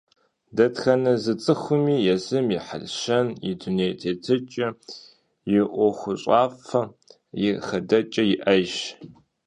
Дэтхэнэ зы цӏыхуми езым и хьэлщэн, и дуней тетыкӏэ, и ӏуэхущӏафэ, и хэдэкӏэ иӏэжщ.